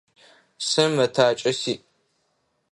Сэ мэтакӏэ сиӏ.